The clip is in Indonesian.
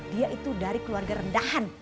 dia itu dari keluarga rendahan